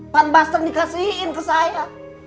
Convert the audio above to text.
pan bustern dikasihin ke saya